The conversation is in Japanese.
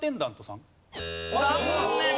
残念！